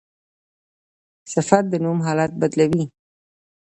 صفت د نوم حالت بدلوي.